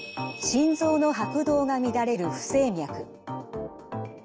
心臓の拍動が乱れる不整脈。